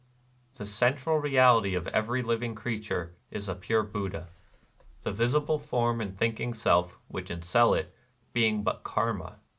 The central reality of every living creature is a pure Buddha : the visible form and thinking self, which encell it, being but Karma.